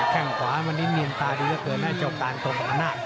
แข้งขวามันนี้เนียนตาดีเยอะเกินให้จบต่างตรงกับหน้า